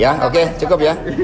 ya oke cukup ya